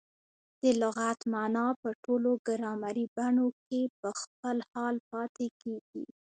د لغت مانا په ټولو ګرامري بڼو کښي په خپل حال پاته کیږي.